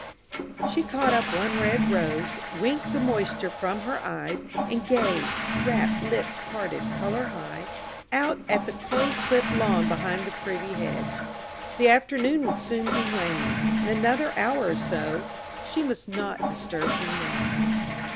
She caught up one red rose, winked the moisture from her eyes, and gazed rapt, lips parted, color high out at the close clipped lawn behind the privet hedge. The afternoon would soon be waning in another hour or so. She must not disturb him now.